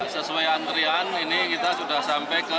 sesuai antrian ini kita sudah sampai ke satu ratus sembilan belas